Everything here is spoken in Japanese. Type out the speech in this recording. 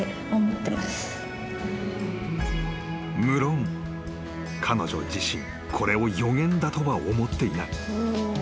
［むろん彼女自身これを予言だとは思っていない］